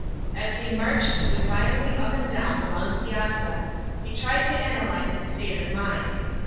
As he marched defiantly up and down the long piazza he tried to analyze his state of mind.